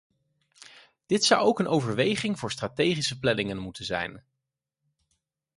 Dit zou ook een overweging voor strategische planningen moeten zijn.